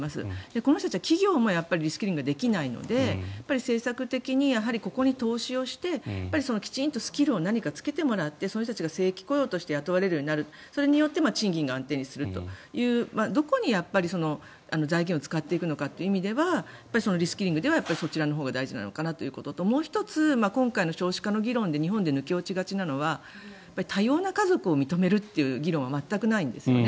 この人たちは、企業もリスキリングができないので政策的にここに投資をしてきちんとスキルを何かつけてもらってその人たちが正規雇用として雇われるようになるそれによって賃金が安定するというどこに財源を使っていくのかという意味ではリスキリングではそちらのほうが大事なのかなということともう１つ、今回の少子化の議論で日本で抜け落ちがちなのは多様な家族を認めるという議論は全くないんですね。